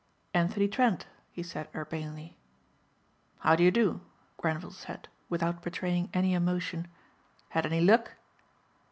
"Anthony Trent," he said urbanely. "How do you do," Grenvil said without betraying any emotion. "Had any luck?"